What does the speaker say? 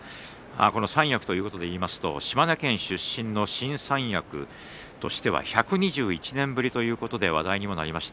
この三役ということで言いますと島根県出身の新三役としては１２１年ぶりということで話題にもなりました。